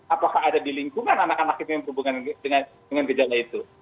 apakah ada di lingkungan anak anak itu yang berhubungan dengan gejala itu